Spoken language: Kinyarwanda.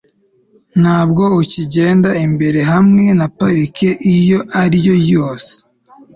ntabwo ukigenda imbere hamwe na parike iyo ari yo yose